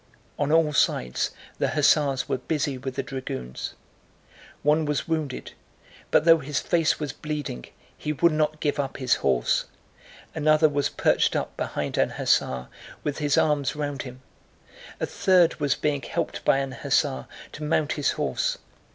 On all sides, the hussars were busy with the dragoons; one was wounded, but though his face was bleeding, he would not give up his horse; another was perched up behind an hussar with his arms round him; a third was being helped by an hussar to mount his horse.